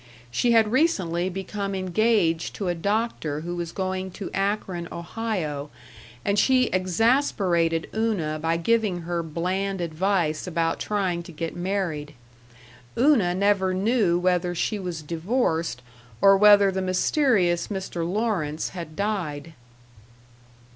She had recently become engaged to a doctor who was going to Akron, Ohio, and she exasperated Una by giving her bland advice about trying to get married. Una never knew whether she was divorced, or whether the mysterious Mr. Lawrence had died.